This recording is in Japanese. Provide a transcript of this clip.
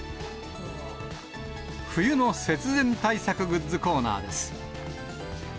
冬の節電対策グッズコーナーです。